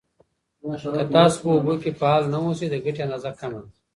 که تاسو په اوبو کې فعال نه اوسئ، د ګټې اندازه کمه ده.